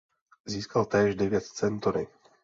Získal též devět cen Tony.